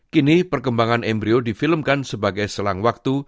kini perkembangan embryo difilmkan sebagai selang waktu